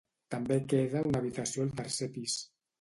També queda una habitació al tercer pis.